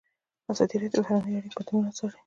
ازادي راډیو د بهرنۍ اړیکې بدلونونه څارلي.